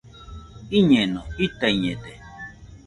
Iñeno.jitaiñede